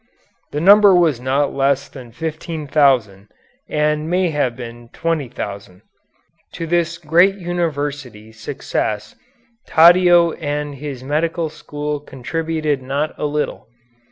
The number was not less than fifteen thousand, and may have been twenty thousand. To this great university success Taddeo and his medical school contributed not a little.